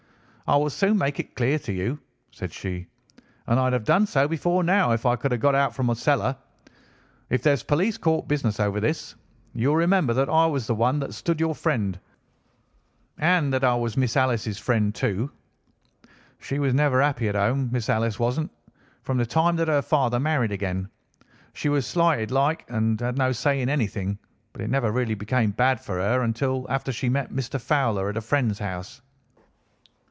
"I will soon make it clear to you," said she; "and I'd have done so before now if I could ha' got out from the cellar. If there's police court business over this, you'll remember that I was the one that stood your friend, and that I was Miss Alice's friend too. "She was never happy at home, Miss Alice wasn't, from the time that her father married again. She was slighted like and had no say in anything, but it never really became bad for her until after she met Mr. Fowler at a friend's house.